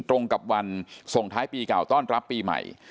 ตรงกับวันส่งท้ายปีเก่าต้อนรับปีใหม่